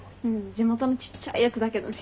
地元のちっちゃいやつだけどね。